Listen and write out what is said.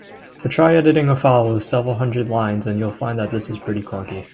But try editing a file with several hundred lines, and you'll find that this is pretty clunky.